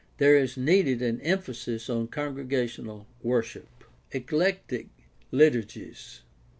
There is needed an emphasis on congregational worship. Eclectic liturgies.